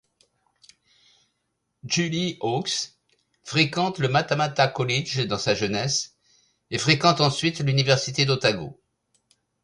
Julie Hawkes fréquente le Matamata College dans sa jeunesse et fréquente ensuite l'université d'Otago.